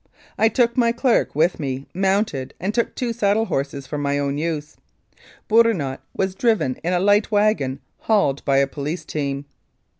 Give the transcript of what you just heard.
I took my clerk with me mounted, and took two saddle horses for my own use. Bourinot was driven in a light wagon hauled by a police team.